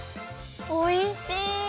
おいしい！